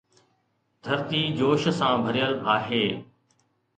ڌرتي جوش سان ڀريل آهي